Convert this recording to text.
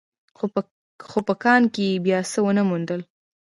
خو په کان کې يې بيا څه ونه موندل.